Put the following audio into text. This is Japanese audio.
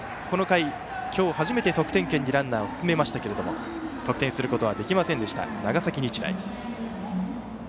この回、今日初めて得点圏にランナーを進めましたが得点することはできませんでした長崎日大。